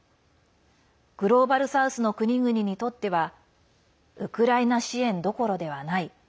グローバル・サウスの国々にとってはウクライナ支援どころではない。